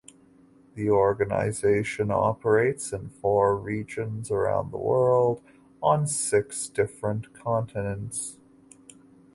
The organization operates in four regions around the world on six different continents.